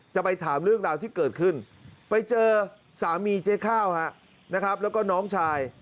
จะไปถามเรื่องราวที่เกิดขึ้นไปเจอสามีเจ๊ข้าวนะครับแล้วก็น้องชาย